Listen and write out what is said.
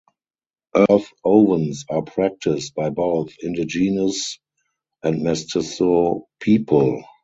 Earth ovens are practiced by both indigenous and mestizo people.